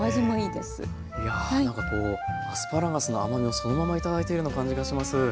いやなんかこうアスパラガスの甘みをそのまま頂いているような感じがします。